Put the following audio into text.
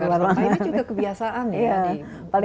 ya membakar sampah ini juga kebiasaan ya